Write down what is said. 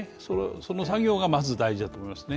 その作業がまず大事だと思いますね。